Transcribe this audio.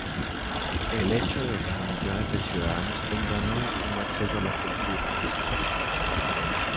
el hecho de que millones de ciudadanos tengan hoy un acceso a la cultura